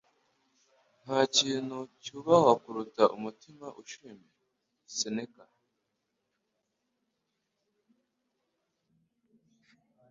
Nta kintu cyubahwa kuruta umutima ushimira.” - Seneka